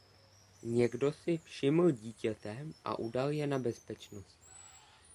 Někdo si všiml dítěte a udal je na Bezpečnosti.